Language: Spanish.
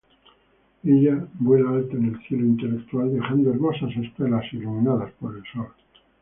Ella vuela alto en el cielo intelectual, dejando hermosas estelas iluminadas por el sol.